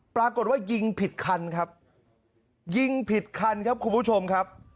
ปรากฏว่ายิงผิดคันครับยิงผิดคันครับคุณผู้ชมครับ